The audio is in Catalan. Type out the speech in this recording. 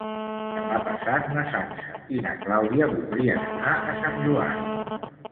Demà passat na Sança i na Clàudia voldrien anar a Sant Joan.